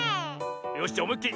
よしじゃおもいっきり